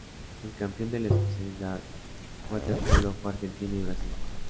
El campeón de la especialidad Waterpolo fue Argentina y Brasil.